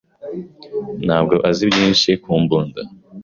ntabwo azi byinshi ku mbunda.